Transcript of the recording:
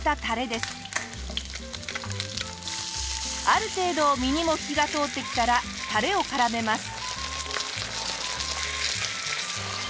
ある程度身にも火が通ってきたらタレを絡めます。